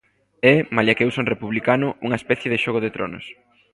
É, malia que eu son republicano, unha especie de Xogo de Tronos.